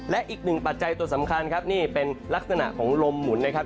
และอีกหนึ่งปัจจัยตัวสำคัญครับนี่เป็นลักษณะของลมหมุนนะครับ